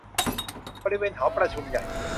บริเวณหอประชุมใหญ่